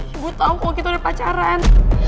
ibu tau kita udah pacaran